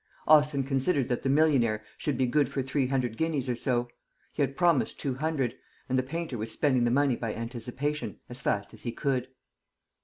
Austin considered that the millionaire should be good for three hundred guineas or so; he had promised two hundred, and the painter was spending the money by anticipation as fast as he could.